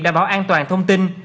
đảm bảo an toàn thông tin